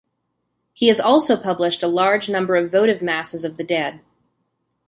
He has also published a large number of votive masses of the dead.